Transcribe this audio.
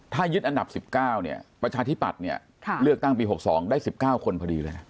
ถ้ายึดอันดับ๑๙ประชาธิปัตย์เนี่ยเลือกตั้งปี๖๒ได้๑๙คนพอดีเลย